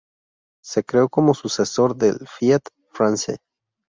Se creó como sucesor del Fiat France.